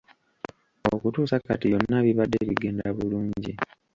Okutuusa kati byonna bibadde bigenda bulungi.